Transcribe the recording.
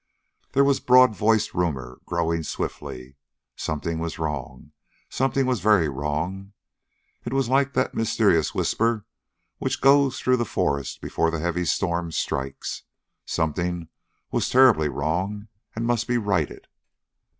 There was broad voiced rumor growing swiftly. Something was wrong something was very wrong. It was like that mysterious whisper which goes through the forest before the heavy storm strikes. Something was terribly wrong and must be righted.